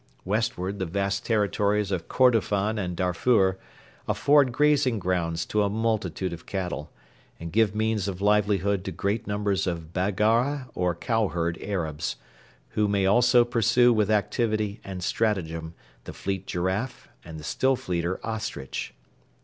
Westward the vast territories of Kordofan and Darfur afford grazing grounds to a multitude of cattle, and give means of livelihood to great numbers of Baggara or cow herd Arabs, who may also pursue with activity and stratagem the fleet giraffe and the still fleeter ostrich.